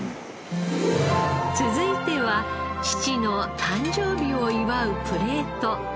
続いては父の誕生日を祝うプレート。